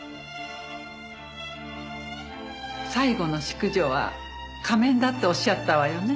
最後の淑女は仮面だっておっしゃったわよね。